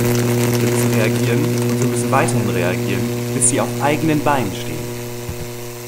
Wir müssen reagieren, und wir müssen weiterhin reagieren, bis sie auf eigenen Beinen stehen.